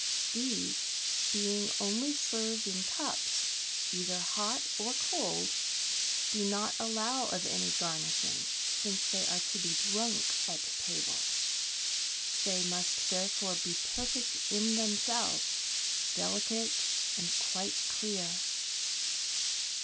These, being only served in cups, either hot or cold, do not allow of any garnishing, since they are to be drunk at table. They must therefore be perfect in themselves, delicate, and quite clear.